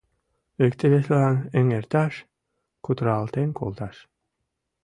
— Икте-весылан эҥерташ, кутыралтен колташ.